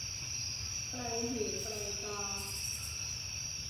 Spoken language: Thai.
ไกลหูไกลตา